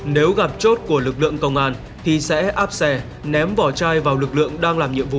nếu gặp chốt của lực lượng công an thì sẽ áp xe ném vỏ chai vào lực lượng đang làm nhiệm vụ